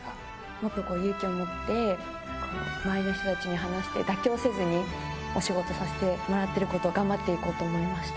もっと勇気を持って、周りの人たちに話して、妥協せずに、お仕事させてもらってることを頑張っていこうと思いました。